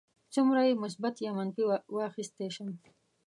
څومره یې مثبت یا منفي واخیستی شم.